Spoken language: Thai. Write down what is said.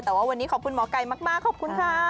แต่ว่าวันนี้ขอบคุณหมอไก่มากขอบคุณค่ะ